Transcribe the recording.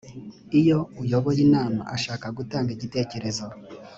iyo uyoboye inama ashaka gutanga igitekerezo